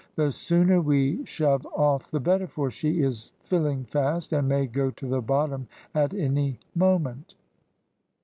"The sooner we shove off the better, for she is filling fast, and may go to the bottom at any moment."